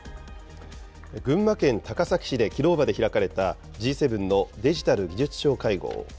群馬県高崎市できのうまで開かれたＧ７のデジタル・技術相会合。